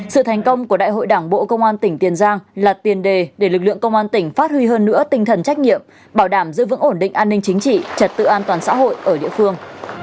sự thành công của đại hội đảng bộ công an tỉnh tiền giang là tiền đề để lực lượng công an tỉnh phát huy hơn nữa tinh thần trách nhiệm bảo đảm giữ vững ổn định an ninh chính trị trật tự an toàn xã hội ở địa phương